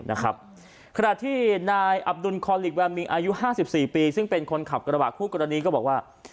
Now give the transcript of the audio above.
ขนาดที่นายอับดุลคอลลิกแวลมิงอายุ๕๔ปีซึ่งเป็นคนขับกระหว่างคู่กรณีก็บอกว่า